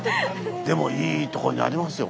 でもいいとこにありますよ。